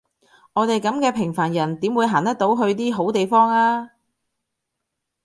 我哋噉嘅平凡人點會行得到去啲好地方呀？